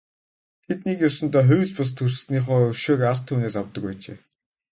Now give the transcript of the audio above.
Тэд нэг ёсондоо хууль бус төрснийхөө өшөөг ард түмнээс авдаг байжээ.